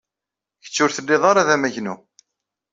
Kečč ur tellid ara d amagnu.